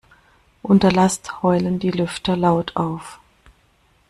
Unter Last heulen die Lüfter laut auf.